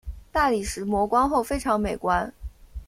大理石磨光后非常美观。